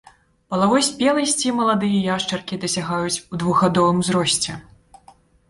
Палавой спеласці маладыя яшчаркі дасягаюць у двухгадовым узросце.